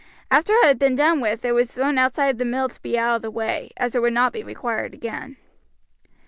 After it had been done with it was thrown outside the mill to be out of the way, as it would not be required again.